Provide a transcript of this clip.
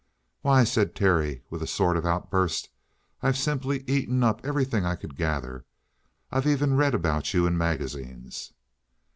"Why," said Terry, with a sort of outburst, "I've simply eaten up everything I could gather. I've even read about you in magazines!"